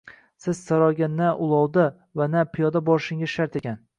Siz saroyga na ulovda va na piyoda borishingiz shart ekan